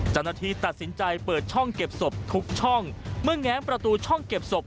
เจ้าหน้าที่ตัดสินใจเปิดช่องเก็บศพทุกช่องเมื่อแง้มประตูช่องเก็บศพ